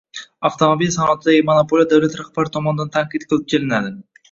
Avtomobil sanoatidagi monopoliya davlat rahbari tomonidan tanqid qilib kelinadi.